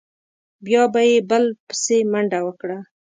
بیا به یې بل بسې منډه وکړه.